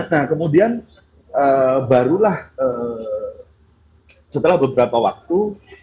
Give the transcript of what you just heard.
nah kemudian barulah setelah beberapa waktu